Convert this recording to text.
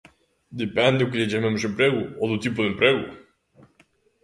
Depende ao que lle chamemos emprego ou do tipo de emprego.